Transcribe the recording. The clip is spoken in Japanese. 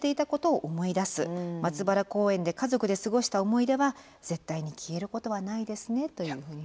松原公園で家族で過ごした思い出は絶対に消えることはないですね」というふうに。